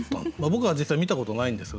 僕は実際に見たことないんです。